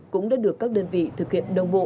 cũng đã được các đơn vị thực hiện đồng bộ